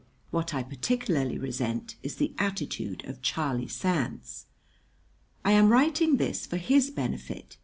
What I particularly resent is the attitude of Charlie Sands. I am writing this for his benefit.